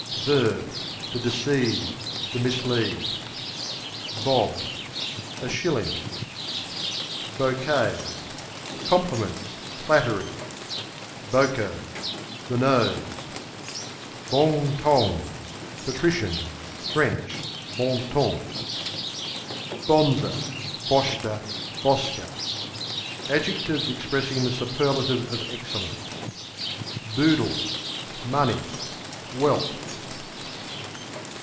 v. To deceive; to mislead. Bob A shilling. Bokays Compliments, flattery. Boko The nose. Bong tong Patrician (Fr. Bon ton). Bonzer, boshter, bosker Adjectives expressing the superlative of excellence. Boodle Money; wealth.